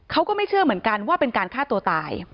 เขาก็ไม่เชื่อเหมือนกันว่าเป็นการฆ่าตัวตาย